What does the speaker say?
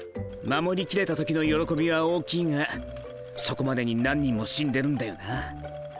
守りきれた時の喜びは大きいがそこまでに何人も死んでるんだよな。